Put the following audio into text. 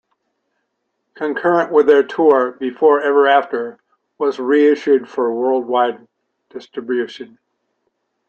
Concurrent with their tour, "Before Ever After" was reissued for worldwide distribution.